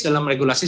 dalam regulasi silam